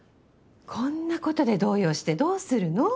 こんなことで動揺してどうするの？